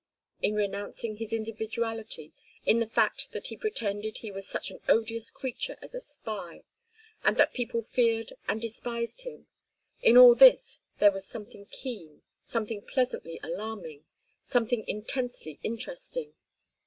In renouncing his individuality, in the fact that he pretended he was such an odious creature as a spy, and that people feared and despised him—in all this there was something keen, something pleasantly alarming, something intensely interesting.